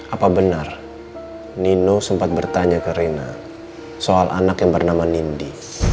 apa benar nino sempat bertanya ke rena soal anak yang bernama nindi